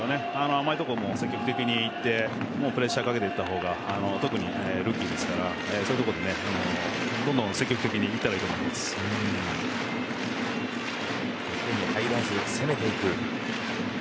甘いところも積極的にいってプレッシャーかけていったほうが特にルーキーですからそういうところでどんどん積極的にいったほうがいいと受けに入らず攻めていく。